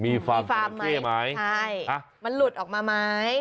มีฟาร์มเที่ยวไหมใช่มันหลุดออกมาไหม